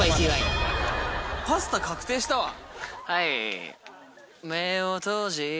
はい。